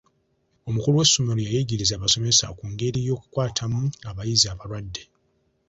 Omukulu w'essomero yayigirizza abasomesa ku ngeri y'okukwatamu abayizi abalwadde.